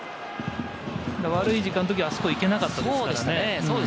悪い時間のときは、そこはいけなかったですからね。